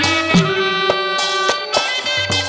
มีชื่อว่าโนราตัวอ่อนครับ